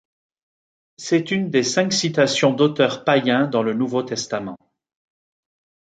C'est une des cinq citations d'auteurs païens dans le Nouveau Testament.